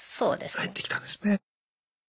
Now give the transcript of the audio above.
入ってきたんですね。